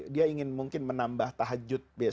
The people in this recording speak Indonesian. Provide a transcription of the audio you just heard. dia ingin mungkin menambah tahajud